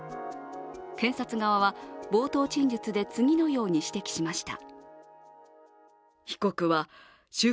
検察側は冒頭陳述で次のように指摘しました。